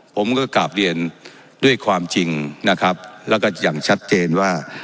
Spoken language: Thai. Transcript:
ผมก็กลับเรียนด้วยความจริงนะครับแล้วก็อย่างชัดเจนว่า